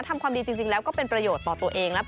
ทำความดีจริงแล้วก็เป็นประโยชน์ต่อตัวเองแล้ว